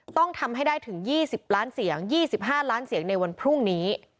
ต้องทำให้ได้ถึง๒๐ล้านเสียง๒๕ล้านเสียงในวันพรุ่งนี้